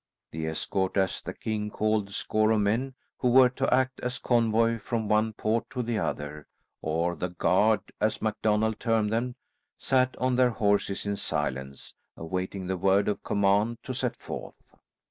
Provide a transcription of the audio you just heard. The escort, as the king called the score of men, who were to act as convoy from one port to the other; or the guard, as MacDonald termed them, sat on their horses in silence, awaiting the word of command to set forth.